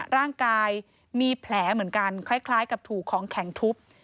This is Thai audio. ร่างกายมีแผลเหมือนกันคล้ายกับถูกของแข็งทุบ